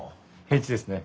平地ですね。